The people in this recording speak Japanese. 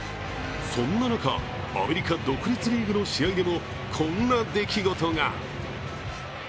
そんな中、アメリカ独立リーグの試合でもこんな出来事が。